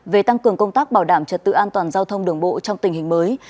về tăng cường công tác bảo đảm trật tự an toàn giao thông đường bộ trong tình hình mới